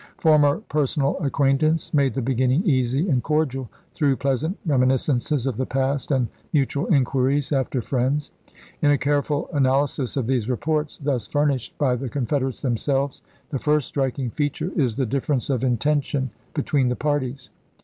Former personal acquaintance made the beginning easy and cordial, through pleasant reminiscences of the past and mutual inquiries after friends. In a careful analy sis of these reports, thus furnished by the Confed erates themselves, the first striking feature is the difference of intention between the parties.